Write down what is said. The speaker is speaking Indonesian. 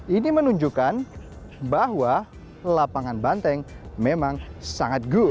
ini menunjukkan bahwa lapangan banteng memang sangat growt